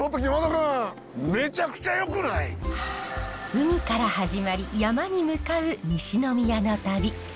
海から始まり山に向かう西宮の旅。